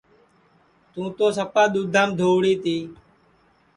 تُوں تو سپا دُؔؔودھام دہؤڑی تی